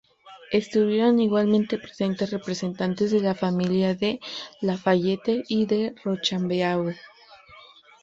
Estuvieron igualmente presentes representantes de las familias de Lafayette y de Rochambeau.